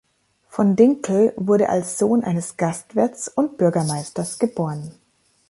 Von Dinkel wurde als Sohn eines Gastwirts und Bürgermeisters geboren.